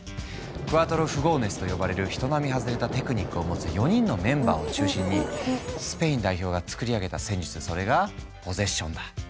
クアトロ・フゴーネスと呼ばれる人並み外れたテクニックを持つ４人のメンバーを中心にスペイン代表が作り上げた戦術それがポゼッションだ。